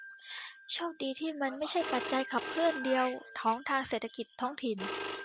โชคดีที่มันไม่ใช่ปัจจัยขับเคลื่อนเดียวของเศรษฐกิจท้องถิ่น